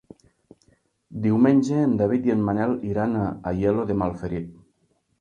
Diumenge en David i en Manel iran a Aielo de Malferit.